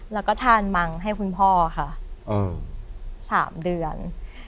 แล้วก็ทานมังให้คุณพ่อค่ะ๓เดือน